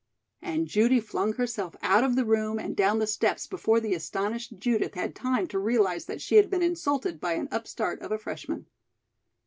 And Judy flung herself out of the room and down the steps before the astonished Judith had time to realize that she had been insulted by an upstart of a freshman.